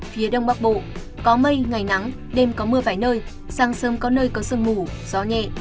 phía đông bắc bộ có mây ngày nắng đêm có mưa vài nơi sáng sớm có nơi có sơn mù gió nhẹ